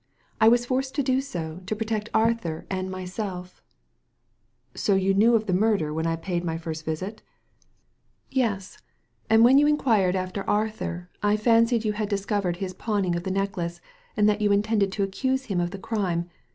I was forced to do so, to protect Arthur and mysclt" X71 Digitized by Google 173 THE LADY FROM NOWHERE ^So you knew of the murder when I paid my first visit?" "Yes; and when you inquired after Arthur, I fancied you had discovered his pawning of the necklace, and that you intended to accuse him of the crime.